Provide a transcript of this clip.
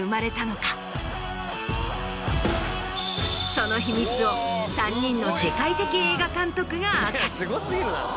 その秘密を３人の世界的映画監督が明かす。